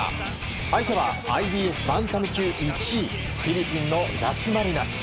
相手はＩＢＦバンタム級１位フィリピンのダスマリナス。